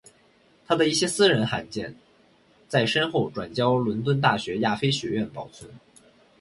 他的一些私人函件在身后转交伦敦大学亚非学院保存。